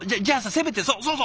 せめてそうそうそう！